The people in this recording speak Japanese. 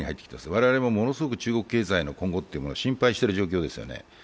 我々もものすごく中国経済の今後を心配してる状況です。